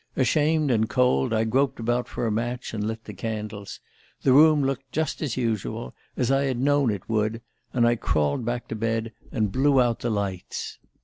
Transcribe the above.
Ashamed and cold, I groped about for a match and lit the candles. The room looked just as usual as I had known it would; and I crawled back to bed, and blew out the lights.